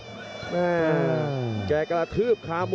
พยายามจะไถ่หน้านี่ครับการต้องเตือนเลยครับ